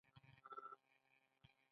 مسواک يې له جيبه راوکيښ.